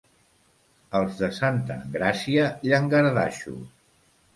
Els de Santa Engràcia, llangardaixos.